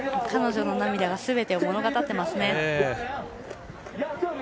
彼女の涙がすべてを物語っていますね。